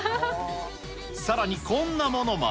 さらにこんなものまで。